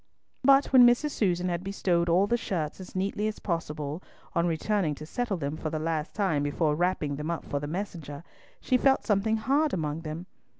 But when Mrs. Susan had bestowed all the shirts as neatly as possible, on returning to settle them for the last time before wrapping them up for the messenger, she felt something hard among them.